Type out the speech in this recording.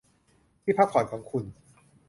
ที่พักผ่อนของคุณ